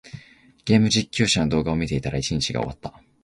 ゲーム実況者の動画を見ていたら、一日が終わった。